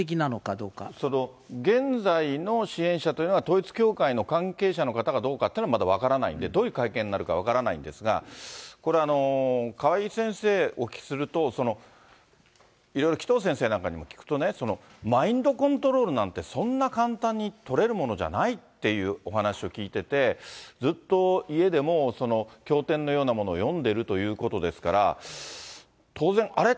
その現在の支援者というのは、統一教会の関係者の方なのかは分からないんで、まだ分からないんですが、これは、川井先生、お聞きすると、いろいろ紀藤先生なんかにも聞くとね、マインドコントロールなんて、そんな簡単にとれるものじゃないっていうお話を聞いてて、ずっと家でも教典のようなものを読んでるということですから、当然、あれ？